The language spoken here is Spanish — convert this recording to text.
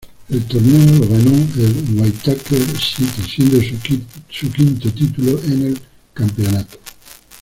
El torneo lo ganó el Waitakere City, siendo su quinto título en el campeonato.